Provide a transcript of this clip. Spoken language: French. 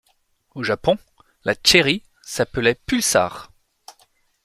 Au Japon, la Cherry s'appelait Pulsar.